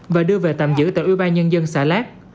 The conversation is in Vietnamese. và đưa về tạm giữ tại ủy ban nhân dân xã lát